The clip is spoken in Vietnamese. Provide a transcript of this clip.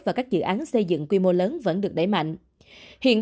và các dự án xây dựng quy mô lớn vẫn được đẩy mạnh hiện